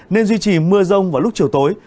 nên duy trì mưa rông vào lúc chiều tối